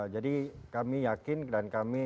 jadi kami yakin dan kami